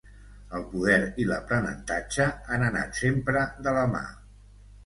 El poder i l'aprenentatge han anat sempre de la mà.